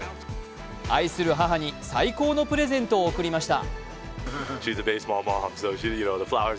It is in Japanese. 愛する母に最高のプレゼントを贈りました。